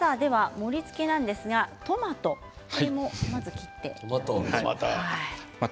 盛りつけなんですがトマト、これを切っていきます。